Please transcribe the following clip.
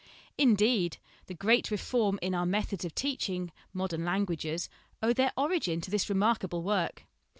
Indeed, the great reform in our methods of teaching modern languages owe their origin to this remarkable work.